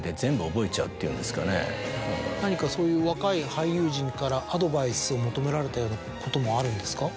何かそういう若い俳優陣からアドバイスを求められたようなこともあるんですか？